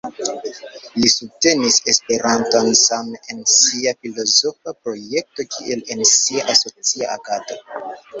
Li subtenis Esperanton same en sia filozofa projekto kiel en sia asocia agado.